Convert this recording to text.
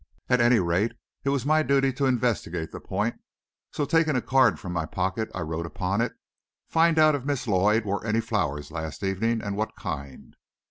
At any rate it was my duty to investigate the point, so taking a card from my pocket I wrote upon it: "Find out if Miss Lloyd wore any flowers last evening, and what kind."